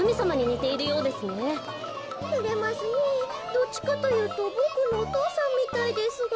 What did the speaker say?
どっちかというとボクのお父さんみたいですが。